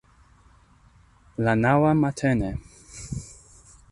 La naŭa matene.